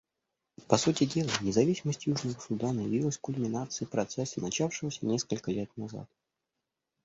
По сути дела, независимость Южного Судана явилась кульминацией процесса, начавшегося несколько лет назад.